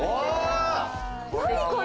何これ。